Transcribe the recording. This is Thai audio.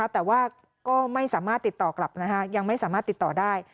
แต่ว่าก็ไม่สามารถติดต่อกลับยังไม่สามารถติดต่อได้